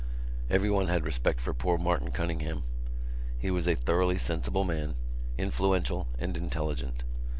Everyone had respect for poor Martin Cunningham. He was a thoroughly sensible man, influential and intelligent.